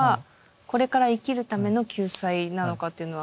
これから生きるための救済なのかというのは。